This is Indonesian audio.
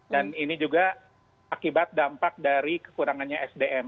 dan ini juga akibat dampak dari kekurangannya sdm